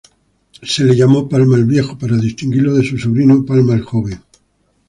Se le llamó Palma el Viejo para distinguirlo de su sobrino, Palma el Joven.